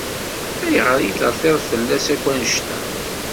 Ayɣer ay terfiḍ fell-as akk anect-a?